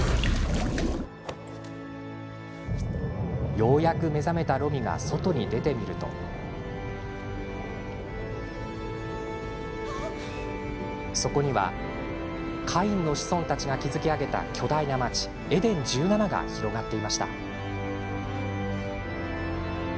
ようやく目覚めたロミが外に出てみるとそこには、カインの子孫たちが築き上げた巨大な町エデン１７が広がっていました。